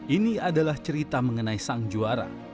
ini adalah cerita mengenai sang juara